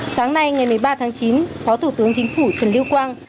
sáng nay ngày một mươi ba tháng chín phó thủ tướng chính phủ trần lưu quang